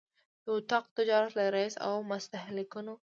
د اطاق تجارت له رئیس او د مستهلکینو